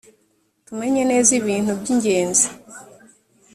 tumenye neza ibintu by ‘ingenzi.